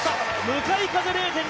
向かい風０．２ｍ。